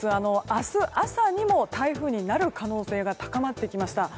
明日朝にも台風になる可能性が高まってきました。